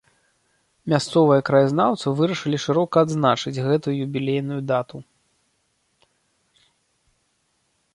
Мясцовыя краязнаўцы вырашылі шырока адзначыць гэту юбілейную дату.